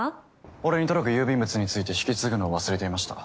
俺に届く郵便物について引き継ぐのを忘れていました。